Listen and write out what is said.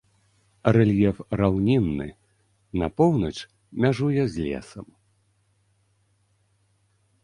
Рэльеф раўнінны, на поўнач мяжуе з лесам.